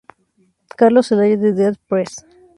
Carlos Zelaya de "Dead Press!